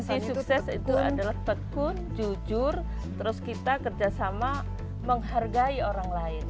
jadi kunci sukses itu adalah tekun jujur terus kita kerjasama menghargai orang lain